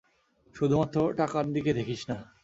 শুধুমাত্র টাকার দিকে দেখিস না।